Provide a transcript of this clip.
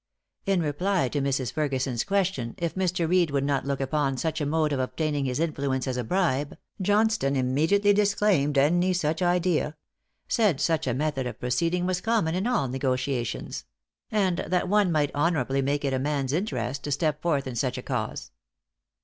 In reply to Mrs. Ferguson's question, if Mr. Reed would not look upon such a mode of obtaining his influence as a bribe, Johnstone immediately disclaimed any such idea; said such a method of proceeding was common in all negotiations; and that one might honorably make it a man's interest to step forth in such a cause.